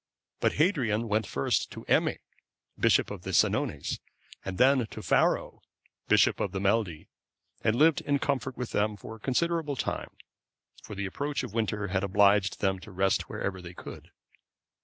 But Hadrian went first to Emme, Bishop of the Senones,(531) and then to Faro,(532) bishop of the Meldi, and lived in comfort with them a considerable time; for the approach of winter had obliged them to rest wherever they could.